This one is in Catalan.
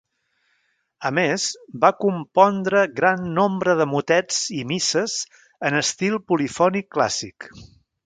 A més, va compondre, gran nombre de motets i misses en estil polifònic clàssic.